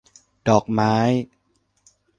ดอกไม้